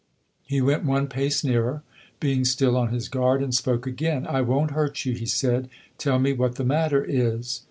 He went one pace nearer, being still on his guard, and spoke again. "I won't hurt you," he said. "Tell me what the matter is."